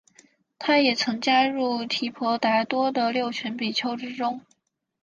他也曾加入提婆达多的六群比丘之中。